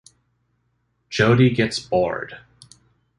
Jody gets bored.